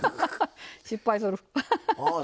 失敗する。